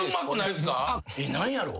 何やろう？